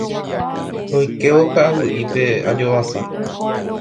Roikévo ka'aguy'ípe ajovasa.